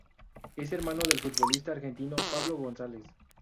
Es hermano del futbolista argentino Pablo González.